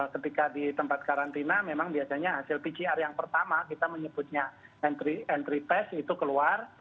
ketika di tempat karantina memang biasanya hasil pcr yang pertama kita menyebutnya entry test itu keluar